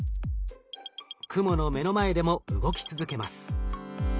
クモの目の前でも動き続けます。